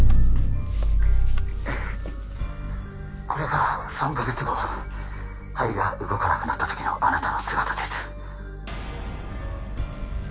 これが３カ月後肺が動かなくなった時のあなたの姿です